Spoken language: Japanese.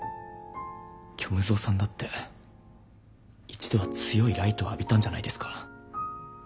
虚無蔵さんだって一度は強いライトを浴びたんじゃないですか。